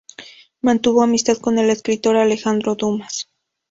Mantuvo amistad con el escritor Alejandro Dumas.